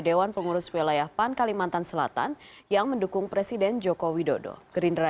dewan pengurus wilayah pan kalimantan selatan yang mendukung presiden joko widodo gerindra